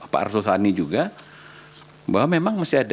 pak arsul sani juga bahwa memang masih ada